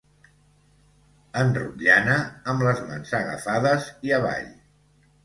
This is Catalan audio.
En rotllana, amb les mans agafades i avall.